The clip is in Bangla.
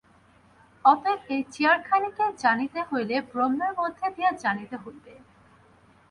অতএব এই চেয়ারখানিকে জানিতে হইলে ব্রহ্মের মধ্য দিয়া জানিতে হইবে।